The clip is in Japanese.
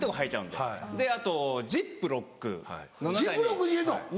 であとジップロックの中に。